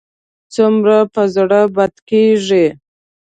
څومره به زړه بدی کېږي.